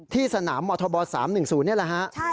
ที่สนามมธบ๓๑๐นี่แหละฮะ